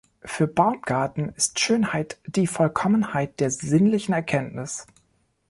Für Baumgarten ist "Schönheit" die "Vollkommenheit der sinnlichen Erkenntnis".